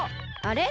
あれ？